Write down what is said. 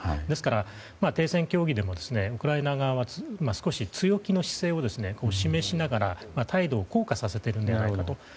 ですから、停戦協議でもウクライナ側は強気の姿勢を示しながら態度を硬化させているのではないかと。